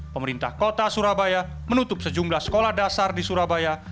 pemerintah kota surabaya menutup sejumlah sekolah dasar di surabaya